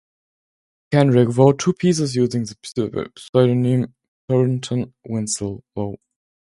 Krenek wrote two pieces using the pseudonym Thornton Winsloe.